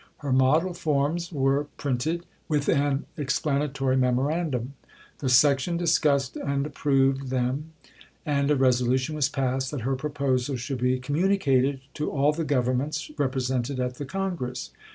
Her Model Forms were printed, with an explanatory memorandum; the Section discussed and approved them, and a resolution was passed that her proposals should be communicated to all the Governments represented at the Congress.